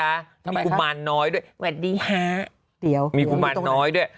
กุมารน้อยด้วยสวัสดีค่ะเดี๋ยวมีกุมารน้อยด้วย